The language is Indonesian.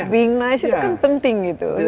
being nice itu kan penting